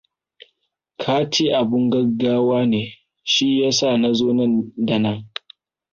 Kace abun gaggawa ne, shiyasa nazo nan da nan.